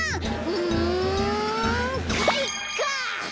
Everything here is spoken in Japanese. うんかいか！